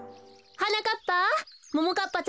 はなかっぱ。